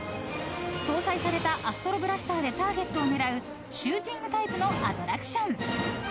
［搭載されたアストロブラスターでターゲットを狙うシューティングタイプのアトラクション］